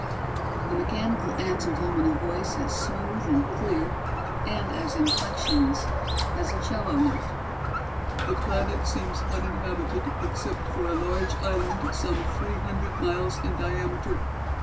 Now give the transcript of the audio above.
The mechanical answered him in a voice as smooth and clear and as inflectionless as a 'cello note. "The planet seems uninhabited except for a large island some three hundred miles in diameter.